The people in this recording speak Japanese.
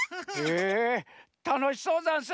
へえたのしそうざんす。